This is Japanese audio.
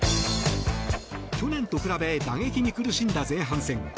去年と比べ打撃に苦しんだ前半戦。